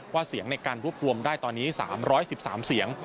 เสียงในการรวบรวมได้ตอนนี้๓๑๓เสียง